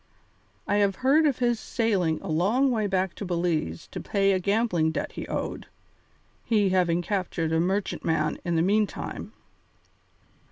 I have heard of his sailing a long way back to Belize to pay a gambling debt he owed, he having captured a merchantman in the meantime."